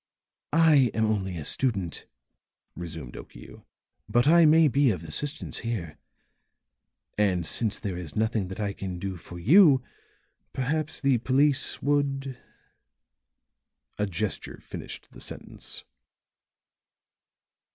"I am only a student," resumed Okiu, "but I may be of assistance here. And since there is nothing that I can do for you, perhaps the police would " A gesture finished the sentence.